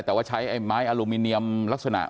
แต่ว่าใช้ไอ้ไม้อลูมิเนียมลักษณะ